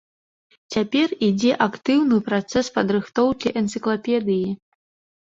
Цяпер ідзе актыўны працэс падрыхтоўкі энцыклапедыі.